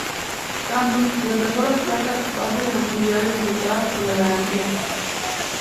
Samsung reemplazó las placas base de las unidades afectadas por la garantía.